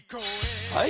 はい。